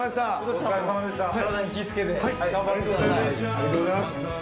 ありがとうございます。